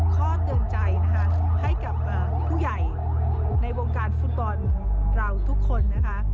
เตือนใจนะคะให้กับผู้ใหญ่ในวงการฟุตบอลเราทุกคนนะคะ